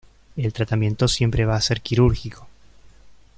El tratamiento siempre va a ser quirúrgico.